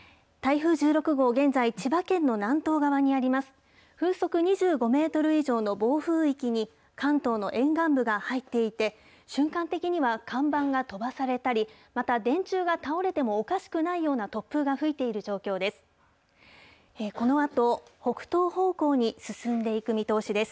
風速２５メートル以上の暴風域に、関東の沿岸部が入っていて、瞬間的には看板が飛ばされたり、また電柱が倒れてもおかしくないような突風が吹いている状況です。